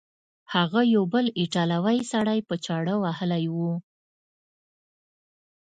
هغه یو بل ایټالوی سړی په چاړه وهلی و.